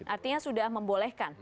artinya sudah membolehkan